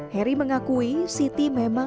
heri mengakui siti memang